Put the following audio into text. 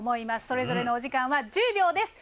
それぞれのお時間は１０秒です。